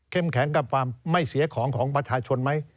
แข็งกับความไม่เสียของของประชาชนไหม